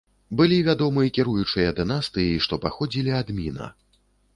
Былі вядомы кіруючыя дынастыі, што паходзілі ад міна.